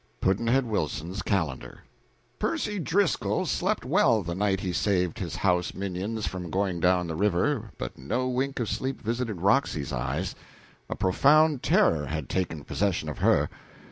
Pudd'nhead Wilson's Calendar. Percy Driscoll slept well the night he saved his house minions from going down the river, but no wink of sleep visited Roxy's eyes. A profound terror had taken possession of her.